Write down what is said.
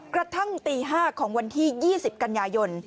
กระทั่งตี๕ของวันที่๒๐กันยายน